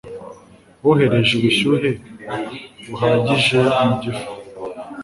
wohereje ubushyuhe buhagije mu gifu